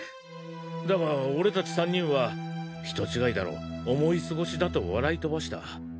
だが俺たち３人は人違いだろう思い過ごしだと笑い飛ばした。